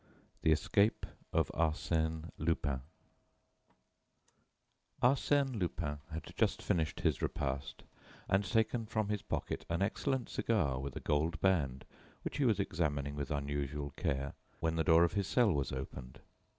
The Escape of Arsène Lupin Arsène Lupin had just finished his repast and taken from his pocket an excellent cigar, with a gold band, which he was examining with unusual care, when the door of his cell was opened.